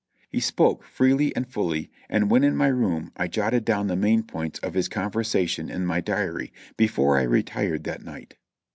He spoke freely and fully, and when in my room I jotted down the main points of his conversation in my diary before I retired that night.